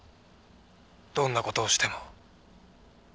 どんなことをしても。